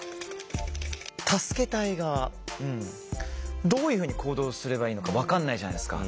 助けたい側どういうふうに行動すればいいのか分かんないじゃないですか。